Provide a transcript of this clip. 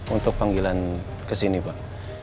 untuk panggilan kesini pak